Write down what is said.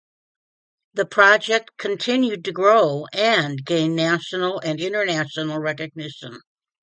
The project continued to grow and gain national and international recognition.